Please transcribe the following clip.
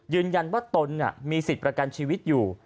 ยืนยันว่าตนมีสิทธิ์ประกันชีวิตอยู่